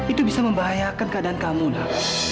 itu bisa membahayakan keadaan kamu nak